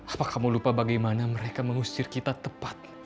apakah kamu lupa bagaimana mereka mengusir kita tepat